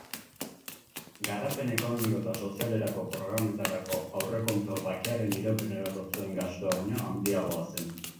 Garapen ekonomiko eta sozialerako programetarako aurrekontua bakearen iraupenerako zuen gastua baino handiagoa zen.